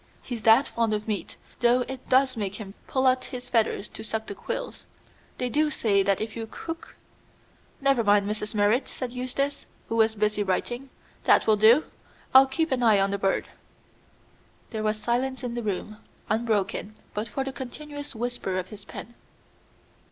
He's that fond of meat, though it does make him pull out his feathers to suck the quills. They do say that if you cook " "Never mind, Mrs. Merrit," said Eustace, who was busy writing. "That will do; I'll keep an eye on the bird." There was silence in the room, unbroken but for the continuous whisper of his pen.